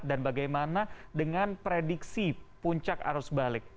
dan bagaimana dengan prediksi puncak arus balik